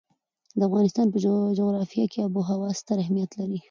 د افغانستان په جغرافیه کې آب وهوا ستر اهمیت لري.